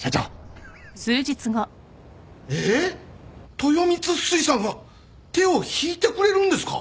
豊光水産が手を引いてくれるんですか？